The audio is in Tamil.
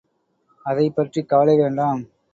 அதைப்பற்றிக் கவலை வேண்டாம்.